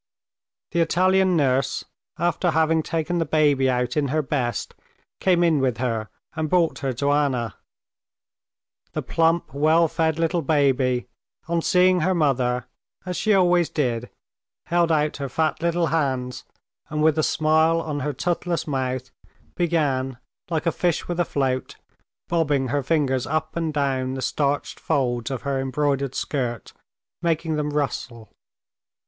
The Italian nurse, after having taken the baby out in her best, came in with her, and brought her to Anna. The plump, well fed little baby, on seeing her mother, as she always did, held out her fat little hands, and with a smile on her toothless mouth, began, like a fish with a float, bobbing her fingers up and down the starched folds of her embroidered skirt, making them rustle.